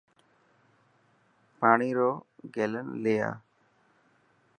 پاني رو گيلن لي آءِ.